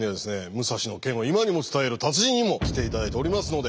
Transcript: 武蔵の剣を今にも伝える達人にも来て頂いておりますので。